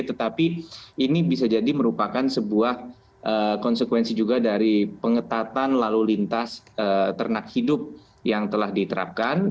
tetapi ini bisa jadi merupakan sebuah konsekuensi juga dari pengetatan lalu lintas ternak hidup yang telah diterapkan